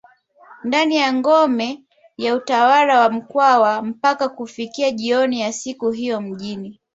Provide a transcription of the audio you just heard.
ndani ya ngome ya utawala wa mkwawa mpaka kufika jioni ya siku hiyo mji